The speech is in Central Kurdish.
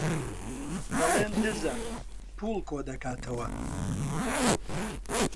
دەڵێن دزە، پووڵ کۆدەکاتەوە.